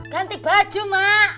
ganti baju mak